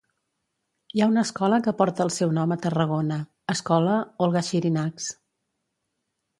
Hi ha una escola que porta el seu nom a Tarragona, Escola Olga Xirinacs.